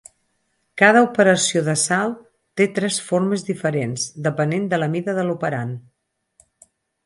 Cada operació de salt té tres formes diferents, depenent de la mida de l'operand.